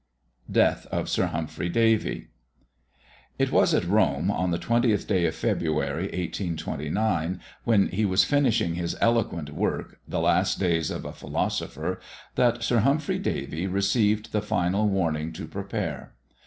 DEATH OF SIR HUMPHRY DAVY. It was at Rome, on the 20th day of February, 1829, when he was finishing his eloquent work, The Last Days of a Philosopher, that Sir Humphry Davy received the final warning to prepare.